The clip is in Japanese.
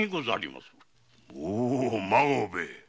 おう孫兵衛